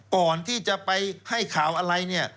ก่อนที่จะไปให้ข่าวอะไร